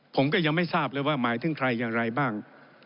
ผมก็ยังไม่ทราบเลยว่าหมายถึงใครอย่างไรบ้าง